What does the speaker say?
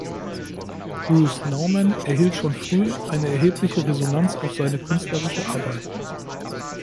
Bruce Nauman erhielt schon früh eine erhebliche Resonanz auf seine künstlerische Arbeit.